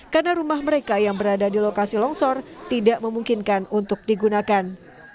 karena rumah mereka yang berada di lokasi longsor tidak memungkinkan untuk digunakan